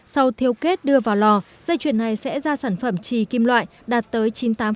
sau thiếu kết đưa vào lò dây chuyền này sẽ ra sản phẩm trì kim loại đạt tới chín mươi tám